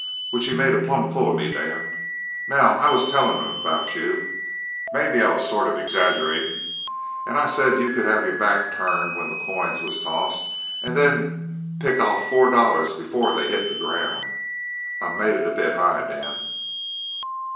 Which he's made a plumb fool of me, Dan. Now I was tellin' him about you maybe I was sort of exaggeratin' an' I said you could have your back turned when the coins was tossed an' then pick off four dollars before they hit the ground. I made it a bit high, Dan?"